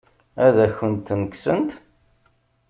Ad akent-ten-kksent?